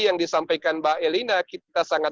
yang disampaikan mbak elina kita sangat